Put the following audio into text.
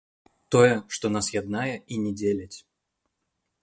Тое, што нас яднае і не дзеліць.